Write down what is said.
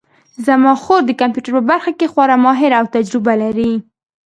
زما خور د کمپیوټر په برخه کې خورا ماهره او تجربه لري